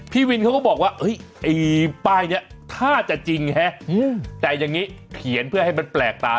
พี่วินเขาก็บอกว่าไอ้ป้ายนี้ถ้าจะจริงฮะแต่อย่างนี้เขียนเพื่อให้มันแปลกตา